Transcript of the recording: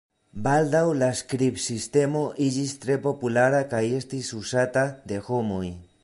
Baldaŭ la skribsistemo iĝis tre populara kaj estis uzata de homoj.